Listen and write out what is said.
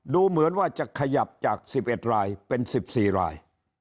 ดูเหมือนว่าจะขยับจาก๑๑รายเป็น๑๔ราย